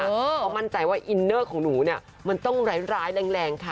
เพราะมั่นใจว่าอินเนอร์ของหนูเนี่ยมันต้องร้ายแรงค่ะ